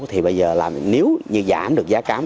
thì bây giờ là nếu như giảm được giá cám